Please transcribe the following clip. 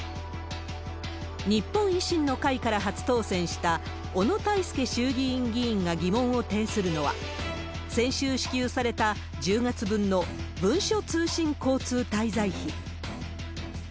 日本維新の会から初当選した小野泰輔衆議院議員が疑問を呈するのは、先週支給された１０月分の文書通信交通滞在費。